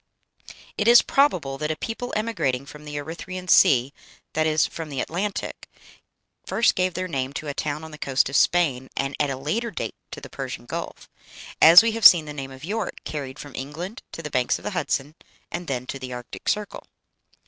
It is probable that a people emigrating from the Erythræan Sea, that is, from the Atlantic, first gave their name to a town on the coast of Spain, and at a later date to the Persian Gulf as we have seen the name of York carried from England to the banks of the Hudson, and then to the Arctic Circle.